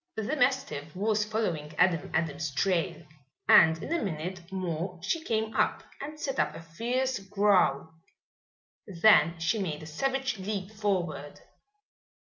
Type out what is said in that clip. The mastiff was following Adam Adams' trail and in a minute more she came up and set up a fierce growl. Then she made a savage leap forward.